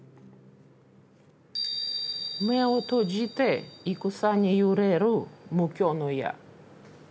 「目を閉じて戦に揺れる無窮の野」。